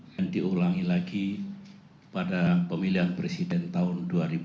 dan diulangi lagi pada pemilihan presiden tahun dua ribu sembilan